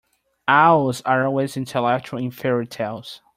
Owls are always intellectual in fairy-tales.